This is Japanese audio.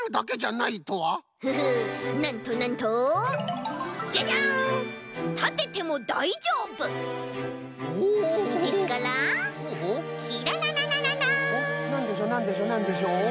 なんでしょうなんでしょうなんでしょう？